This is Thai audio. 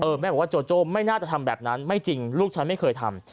แม่บอกว่าโจโจ้ไม่น่าจะทำแบบนั้นไม่จริงลูกฉันไม่เคยทำ